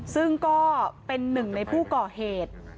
ซึ่งก็เป็นหนึ่งในผู้ก่อเหตุ